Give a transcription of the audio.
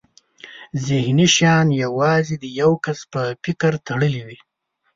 ذهني شیان یوازې د یو کس په فکر تړلي وي.